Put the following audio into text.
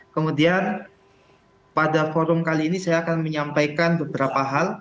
kemudian pada forum kali ini saya akan menyampaikan beberapa hal